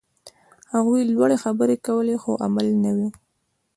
هغوی لوړې خبرې کولې، خو عمل نه و.